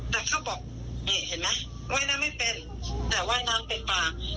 แต่เขาบอกนี่เห็นไหมว่ายน้ำไม่เป็นแต่ว่ายน้ำเป็นป่า